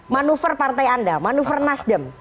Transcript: manuver partai anda manuver nasdem